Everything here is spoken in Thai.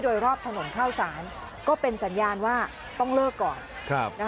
โดยรอบถนนข้าวสารก็เป็นสัญญาณว่าต้องเลิกก่อน